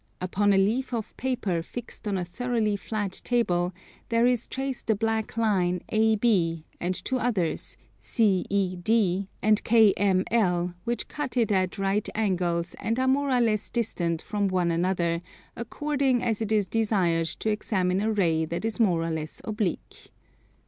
Upon a leaf of paper fixed on a thoroughly flat table there is traced a black line AB, and two others, CED and KML, which cut it at right angles and are more or less distant from one another according as it is desired to examine a ray that is more or less oblique.